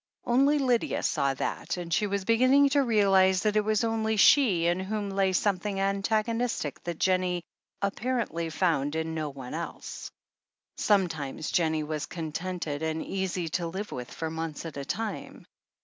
Only Lydia saw that, and she was beginning to realize that it was only she in whom lay something antagonistic that Jennie appar ently found in no one else. Sometimes Jennie was contented, and easy to live with for months at a time.